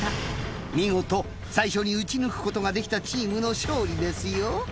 見事最初に撃ち抜くことができたチームの勝利ですよ。